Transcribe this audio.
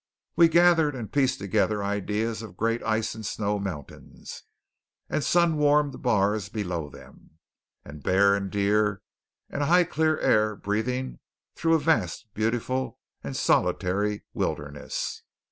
We gathered and pieced together ideas of great ice and snow mountains, and sun warmed bars below them, and bears and deer, and a high clear air breathing through a vast, beautiful and solitary wilderness.